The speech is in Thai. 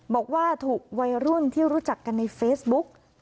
บอกว่าถูกวัยรุ่นที่รู้จักกันในเฟซบุ๊ก